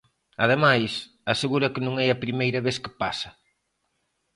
Ademais, asegura que non é a primeira vez que pasa.